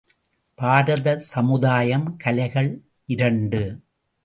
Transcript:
பாரத சமுதாயம் கலைகள் இரண்டு.